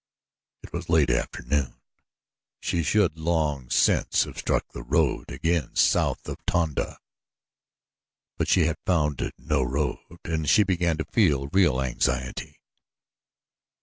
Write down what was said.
It was late afternoon she should long since have struck the road again south of Tonda; but she had found no road and now she began to feel real anxiety.